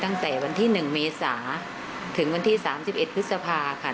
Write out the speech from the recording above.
ตั้งแต่วันที่๑เมษาถึงวันที่๓๑พฤษภาค่ะ